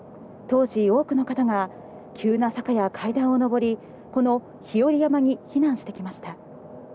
当時、多くの方がこの急な坂や階段を上り、この日和山に避難してきました。